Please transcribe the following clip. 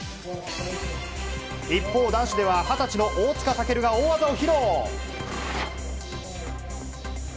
一方、男子では二十歳の大塚健が大技を披露。